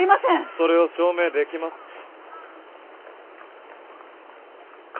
それを証明できますか？